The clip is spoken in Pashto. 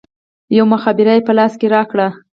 يوه مخابره يې په لاس راکړه.